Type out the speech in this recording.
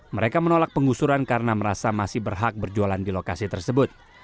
mereka menolak penggusuran karena merasa masih berhak berjualan di lokasi tersebut